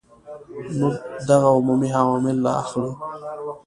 موږ دغه عمومي عوامل را اخلو.